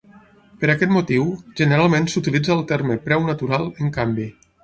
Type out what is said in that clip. Per aquest motiu, generalment s'utilitza el terme "preu natural" en canvi.